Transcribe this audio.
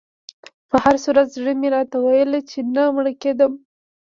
په هر صورت زړه مې راته ویل چې نه مړ کېدم.